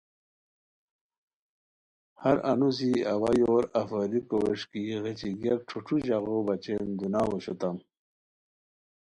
ہر انوسی اوا یور اف غیریکو وݰکی غیچی گیاک ݯھوݯھو ژاغو بچین دوناؤ اوشوتام